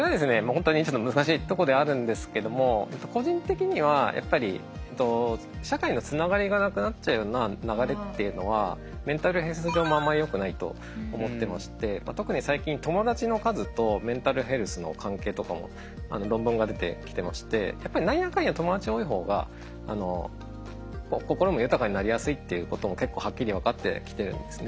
本当にちょっと難しいとこではあるんですけども個人的にはやっぱり社会のつながりがなくなっちゃうような流れっていうのはメンタルヘルス上もあんまりよくないと思ってまして特に最近友達の数とメンタルヘルスの関係とかも論文が出てきてましてやっぱり何やかんや友達多い方が心も豊かになりやすいっていうことも結構はっきり分かってきてるんですね。